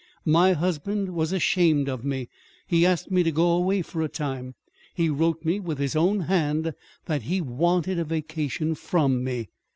My husband was ashamed of me. He asked me to go away for a time. He wrote me with his own hand that he wanted a vacation from me.